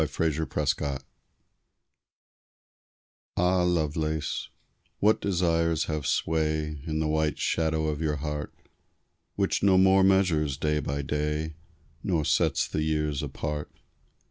TO RICHARD LOVELACE Ah, Lovelace, what desires have sway In the white shadow of your heart, Which no more measures day by day, Nor sets the years apart?